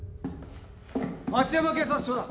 町山警察署だ！